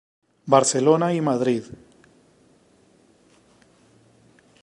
Barcelona y Madrid.